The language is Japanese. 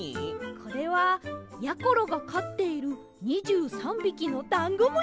これはやころがかっている２３びきのダンゴムシたちです！